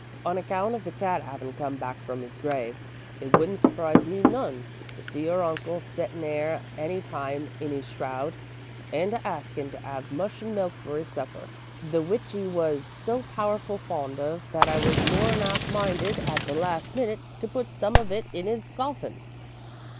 "On account of the cat 'avin come back from 'is grave, it wouldn't surprise me none to see your uncle settin' 'ere at any time in 'is shroud, and a askin' to 'ave mush and milk for 'is supper, the which 'e was so powerful fond of that I was more 'n 'alf minded at the last minute to put some of it in 's coffin."